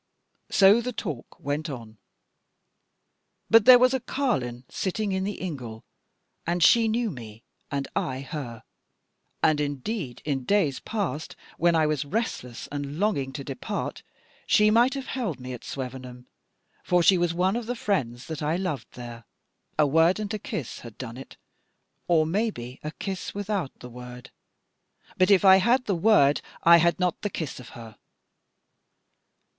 So the talk went on. "But there was a carline sitting in the ingle, and she knew me and I her. And indeed in days past, when I was restless and longing to depart, she might have held me at Swevenham, for she was one of the friends that I loved there: a word and a kiss had done it, or maybe the kiss without the word: but if I had the word, I had not the kiss of her.